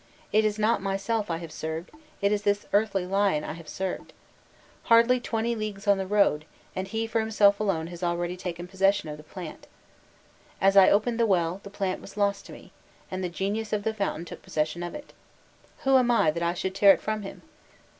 It is not myself I have served; it is this earthly lion I have served. Hardly twenty leagues on the road, and he for himself alone has already taken possession of the plant. As I opened the well, the plant was lost to me, and the genius of the fountain took possession of it: who am I that I should tear it from him?